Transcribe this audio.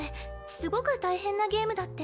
すごく大変なゲームだって。